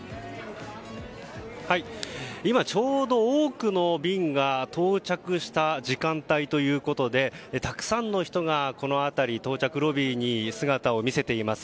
今、ちょうど多くの便が到着した時間帯ということでたくさんの人がこの辺り到着ロビーに姿を見せています。